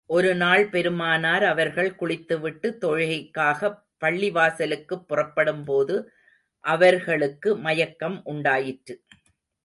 ஒரு நாள், பெருமானார் அவர்கள் குளித்து விட்டு, தொழுகைக்காகப் பள்ளிவாசலுக்குப் புறப்படும் போது, அவர்களுக்கு மயக்கம் உண்டாயிற்று.